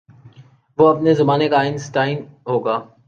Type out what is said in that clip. وہ اپنے زمانے کا آئن سٹائن ہو گا۔